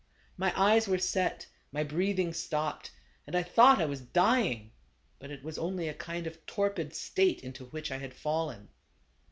" My eyes were set, my breathing stopped, and I thought I was dying ; but it was only a kind of torpid state into which I had fallen.